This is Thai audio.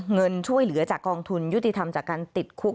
เงินช่วยเหลือจากกองทุนยุติธรรมจากการติดคุก